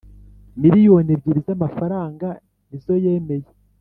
miriyoni ebyiri zamafaranga nizo yemeye.